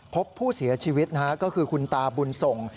พบผู้เสียชีวิตนะฮะก็คือคุณตาบุญส่ง